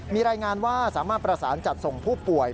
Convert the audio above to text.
มีรายงานว่าสามารถประสานจัดส่งผู้ป่วย